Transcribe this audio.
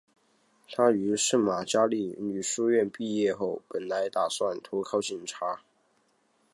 她于圣玛加利女书院毕业后本来打算投考警察。